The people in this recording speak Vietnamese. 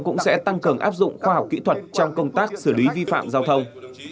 cũng sẽ tăng cường áp dụng khoa học kỹ thuật trong công tác xử lý vi phạm giao thông